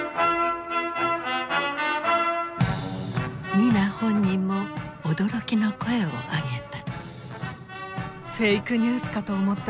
ニナ本人も驚きの声を上げた。